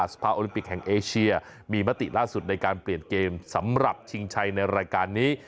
สภาโอลิมปิกแห่งเอเชียมีมติล่าสุดในการเปลี่ยนเกมสำหรับชิงชัยในรายการนี้